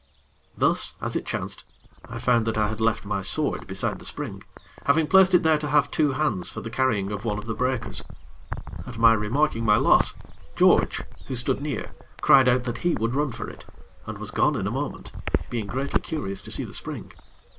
Thus, as it chanced, I found that I had left my sword beside the spring, having placed it there to have two hands for the carrying of one of the breakers. At my remarking my loss, George, who stood near, cried out that he would run for it, and was gone in a moment, being greatly curious to see the spring.